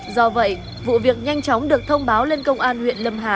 do vậy vụ việc nhanh chóng được thông báo lên công an huyện lâm hà